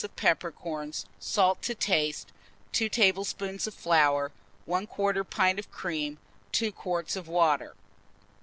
of peppercorns, salt to taste, 2 tablespoonfuls of flour, 1/4 pint of cream, 2 quarts of water.